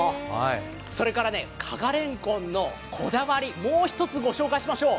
それから、加賀れんこんのこだわりもう一つご紹介しましょう。